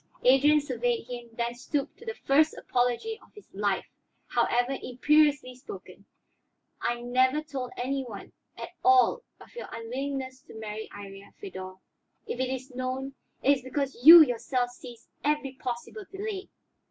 Adrian surveyed him, then stooped to the first apology of his life, however imperiously spoken. "I never told any one at all of your unwillingness to marry Iría, Feodor. If it is known, it is because you yourself seized every possible delay.